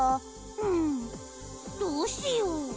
うんどうしよう。